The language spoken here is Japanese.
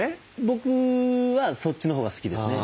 僕はそっちのほうが好きですね。